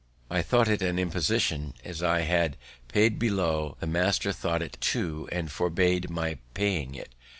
I thought it an imposition, as I had paid below; the master thought so too, and forbade my paying it.